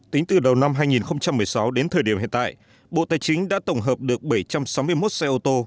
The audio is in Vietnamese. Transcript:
tính từ đầu năm hai nghìn một mươi sáu đến thời điểm hiện tại bộ tài chính đã tổng hợp được bảy trăm sáu mươi một xe ô tô